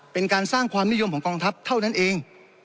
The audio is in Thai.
เป็นการสร้างความนิยมของกองทัพเท่านั้นเอง